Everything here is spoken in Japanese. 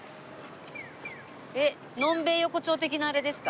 えっのんべえ横丁的なあれですか？